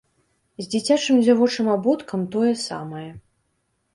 З дзіцячым дзявочым абуткам тое самае.